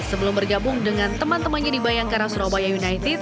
sebelum bergabung dengan teman temannya di bayangkara surabaya united